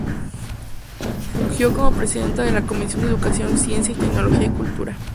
Fungió como presidenta de la Comisión de Educación, Ciencia y Tecnología y Cultura.